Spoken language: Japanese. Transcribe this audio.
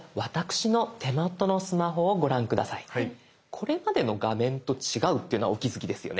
これまでの画面と違うっていうのはお気付きですよね？